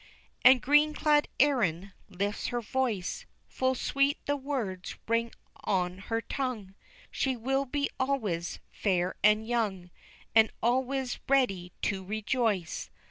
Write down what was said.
_ And green clad Erin lifts her voice Full sweet the words ring on her tongue She will be always fair and young And always ready to rejoice.